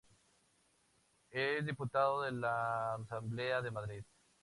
Es diputado de la de la Asamblea de Madrid.